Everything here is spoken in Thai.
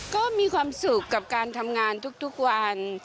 ก็มีความสุขกับการทำงานทุกวัน